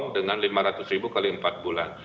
dengan lima ratus ribu kali empat bulan